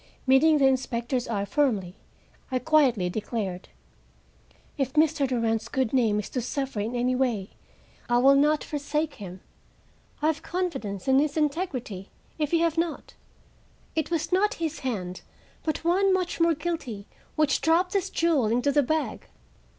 Meeting the inspector's eye firmly, I quietly declared, "If Mr. Durand's good name is to suffer in any way, I will not forsake him. I have confidence in his integrity, if you have not. It was not his hand, but one much more guilty, which dropped this jewel into the bag."